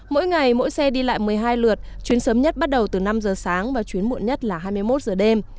mỗi ngày mỗi xe đi lại một mươi hai lượt chuyến sớm nhất bắt đầu từ năm giờ sáng và chuyến muộn nhất là hai mươi một giờ đêm